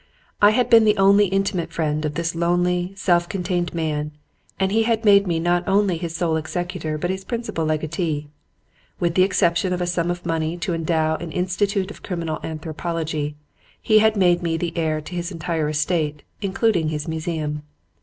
I had been the only intimate friend of this lonely, self contained man and he had made me not only his sole executor but his principal legatee. With the exception of a sum of money to endow an Institute of Criminal Anthropology, he had made me the heir to his entire estate, including his museum.